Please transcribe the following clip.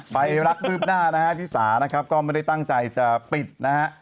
ไปรักคืบหน้านะฮะที่สานะครับก็ไม่ได้ตั้งใจจะปิดนะฮะ